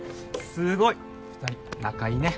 すごい二人仲いいね